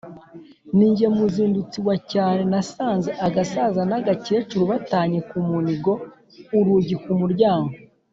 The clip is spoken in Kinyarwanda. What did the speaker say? Ni jye muzindutsi wa cyane nasanze agasaza n'agakecuru batanye ku munigo-Urugi ku muryango.